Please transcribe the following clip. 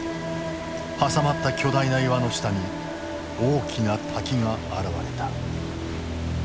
挟まった巨大な岩の下に大きな滝が現れた。